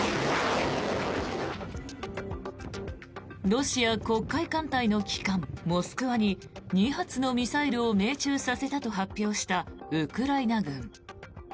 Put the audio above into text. ロシア黒海艦隊の旗艦「モスクワ」に２発のミサイルを命中させたと発表したウクライナ軍。